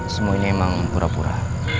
semuanya emang pura pura